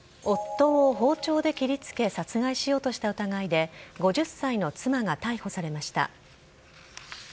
夫を包丁で切りつけ、殺害しようとした疑いで、５０歳の妻が逮捕されました。